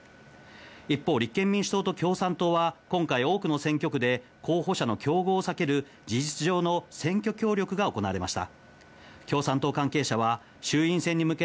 一方、立憲民主党と共産党は今回、多くの選挙区で候補者の競合を避ける事実上の選挙協力が行われました。